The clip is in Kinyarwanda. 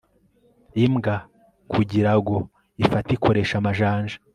imbwa kugirago ifate ikoresha amajanja